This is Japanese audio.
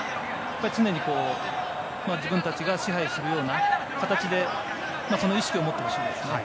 常に自分たちが支配するような形でその意識を持ってほしいですね。